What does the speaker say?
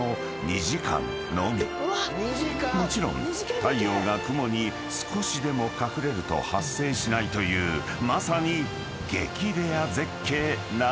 ［もちろん太陽が雲に少しでも隠れると発生しないというまさに激レア絶景なのだ］